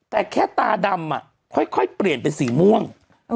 แต่แค่ตาดำค่อยเปลี่ยนเป็นสีม่วง